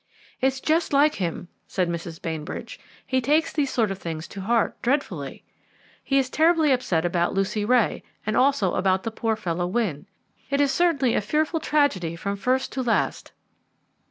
"It is just like him," said Mrs. Bainbridge; "he takes these sort of things to heart dreadfully. He is terribly upset about Lucy Ray, and also about the poor fellow Wynne. It is certainly a fearful tragedy from first to last."